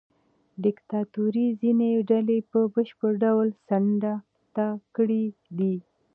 دیکتاتورۍ ځینې ډلې په بشپړ ډول څنډې ته کړې دي.